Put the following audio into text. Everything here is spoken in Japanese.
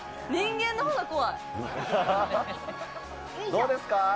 どうですか？